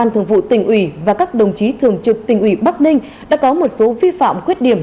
tình ủy và các đồng chí thường trực tình ủy bắc ninh đã có một số vi phạm khuyết điểm